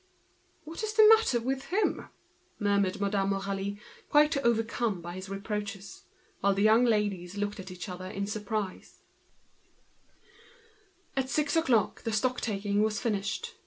"What is the matter with him?" murmured Madame Aurélie, quite overcome by his reproaches. And the young ladies looked at each other with a surprised air. At six o'clock the stock taking was finished.